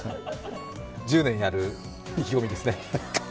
１０年やる意気込みですね。